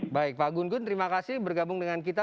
baik pak gun gun terima kasih bergabung dengan kita